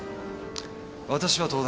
私は東大